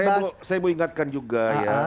dan jangan lupa saya mau ingatkan juga ya